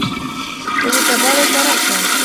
زه به سبا درته راشم.